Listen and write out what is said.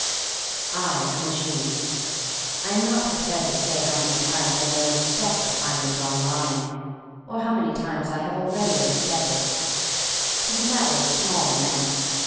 I am a genius. I am not prepared to say how many times I may overstep the finely drawn line, or how many times I have already overstepped it. *Tis a matter of small moment.